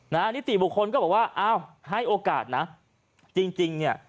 นิติบุคคลก็บอกว่าอ้าวให้โอกาสนะจริงจริงเนี่ย